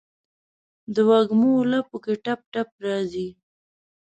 دوږمو لپو کې ټپ، ټپ راځي